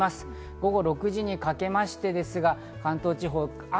午後６時にかけまして、関東地方、雨。